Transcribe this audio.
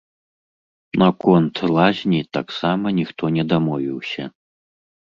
Наконт лазні таксама ніхто не дамовіўся.